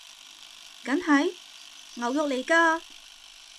梗係！牛肉來㗎！